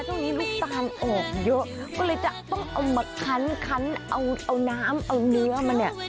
ทุกวันนี้ลูกตาลออกเยอะก็เลยจะต้องเอามาคันคันเอาน้ำเอาเนื้อมาเนี่ย